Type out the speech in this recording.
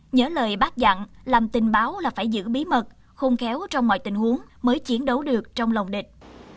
nhớ lời bác dặn làm tình báo là phải giữ bí mật không khéo trong mọi tình huống mới chiến đấu được trong lòng địch